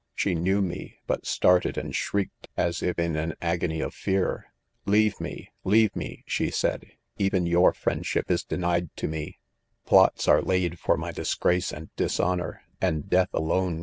She knew me, but started and shrieked as if in an agony of fear* " Leave me ! leave me, 55 she said ■'" eveo your friendship is denied to me; plots are laid for my disgrace and dishonor, and death alone